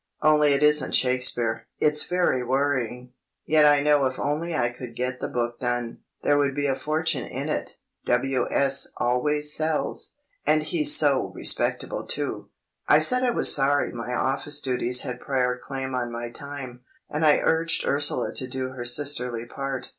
—only it isn't Shakespeare! It's very worrying. Yet I know if only I could get the book done, there would be a fortune in it. W. S. always sells, and he's so respectable too!" I said I was sorry my office duties had prior claim on my time, and I urged Ursula to do her sisterly part.